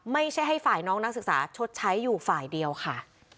ให้ฝ่ายน้องนักศึกษาชดใช้อยู่ฝ่ายเดียวค่ะ